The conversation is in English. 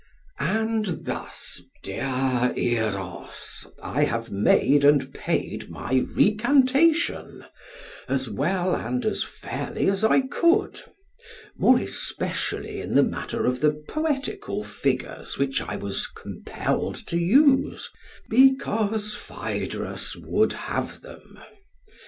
And thus, dear Eros, I have made and paid my recantation, as well and as fairly as I could; more especially in the matter of the poetical figures which I was compelled to use, because Phaedrus would have them.